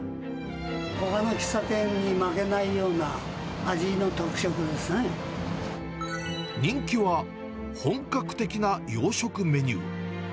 ほかの喫茶店に負けないよう人気は、本格的な洋食メニュー。